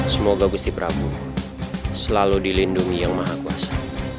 semoga gusti prabowo selalu dilindungi yang maha kuasa